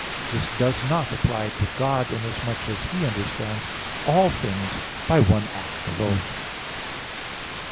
This does not apply to God, inasmuch as He understands all things by one act alone.